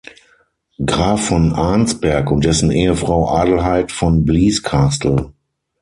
Graf von Arnsberg und dessen Ehefrau Adelheid von Blieskastel.